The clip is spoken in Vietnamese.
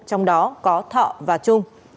trong đó có thọ và trung